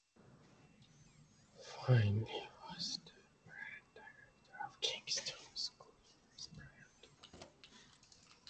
Findley was the band director of Kingston High School's first band.